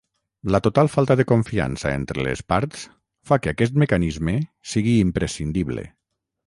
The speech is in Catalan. La total falta de confiança entre les parts fa que aquest mecanisme sigui imprescindible